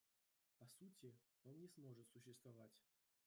По сути, он не сможет существовать.